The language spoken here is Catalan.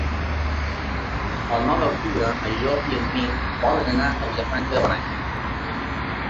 El nou d'octubre en Llop i en Mirt volen anar a Vilafranca de Bonany.